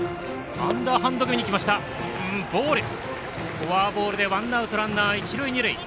フォアボールでワンアウト、ランナー、一塁二塁。